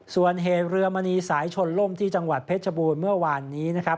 ส่วนเหตุเรือมณีสายชนล่มที่จังหวัดเพชรบูรณ์เมื่อวานนี้นะครับ